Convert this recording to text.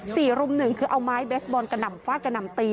กลุ่มหนึ่งคือเอาไม้เบสบอลกระหน่ำฟาดกระหน่ำตี